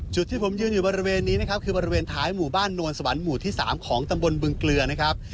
จุดที่ผมยืนอยู่บริเวณนี้นะครับคือบริเวณท้ายหมู่บ้านนวลสวรรค์หมู่ที่๓ของตำบลบึงเกลือนะครับ